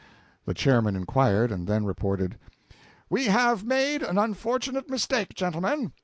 The chairman inquired, and then reported "We have made an unfortunate mistake, gentlemen.